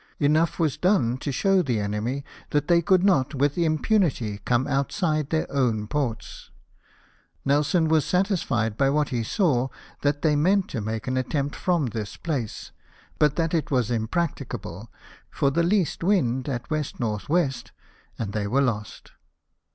Enough was done to show the enemy that they could not, with im punity, come outside their own ports. Nelson was satisfied, by what he saw, that they meant to make an attempt from this place, but that it was imprac ticable, for the least wind at W.N.W. and they were lost.